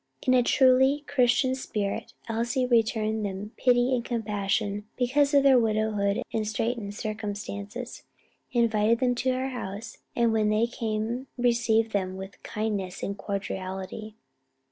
In a truly Christian spirit Elsie returned them pity and compassion, because of their widowhood and straitened circumstances, invited them to her house, and when they came received them with kindness and cordiality.